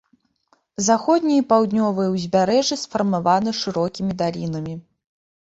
Заходняе і паўднёвае ўзбярэжжы сфармавана шырокімі далінамі.